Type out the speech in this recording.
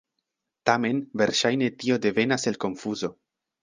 Tamen, verŝajne tio devenas el konfuzo.